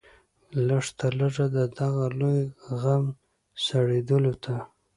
لږ تر لږه د دغه لوی غم سړېدلو ته.